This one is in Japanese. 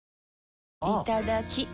いただきっ！